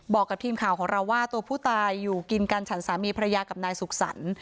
บอกกับทีมข่าวของเราว่าตัวผู้ตายอยู่กินกันฉันสามีภรรยากับนายสุขสรรค์